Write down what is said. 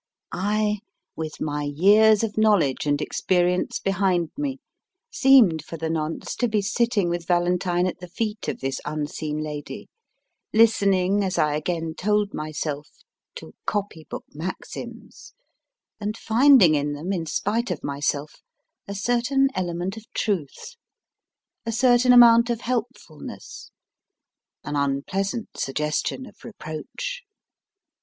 I, with my years of knowledge and experience behind me, seemed for the nonce to be sitting with Valentine xiv MY FIRST BOOK at the feet of this unseen lady, listening, as I again told myself, to copy book maxims and finding in them in spite of myself a certain element of truth, a certain amount of helpfulness, an unpleasant suggestion of reproach.